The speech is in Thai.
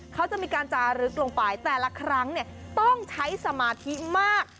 เขาจะมีการจารึกลงไปแต่ละครั้งต้องใช้สมาธิมาก